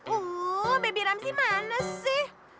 oh baby ramzi mana sih